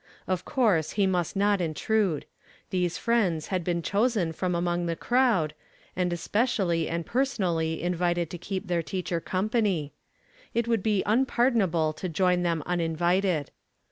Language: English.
Of course he nnist not intrude. These friends had been chosen from ainong the crowd, and especially and pei sonally invited to keep their teacher company. It would ])e unpardon al)le to join them uninvited.